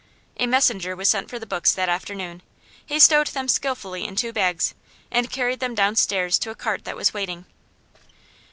A messenger was sent for the books that afternoon. He stowed them skilfully in two bags, and carried them downstairs to a cart that was waiting.